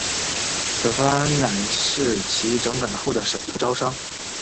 此番乃是其整改后的首次招商。